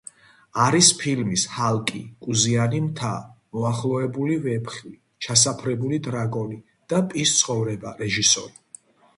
არის ფილმების „ჰალკი“, „კუზიანი მთა“, „მოახლოებული ვეფხვი, ჩასაფრებული დრაკონი“ და „პის ცხოვრება“ რეჟისორი.